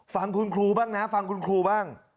ฟังคุณครูบ้างนะฟังคุณครูบ้าง